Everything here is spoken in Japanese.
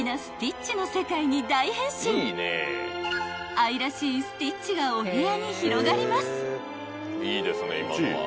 ［愛らしいスティッチがお部屋に広がります］